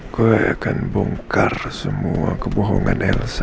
gue akan bongkar semua kebohongan elsa